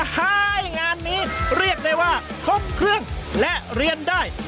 ให้งานนี้เรียกได้ว่าครบเครื่องและเรียนได้